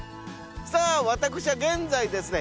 さぁ私は現在ですね